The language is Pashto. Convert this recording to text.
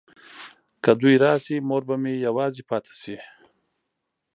که دوی راشي مور به مې یوازې پاته شي.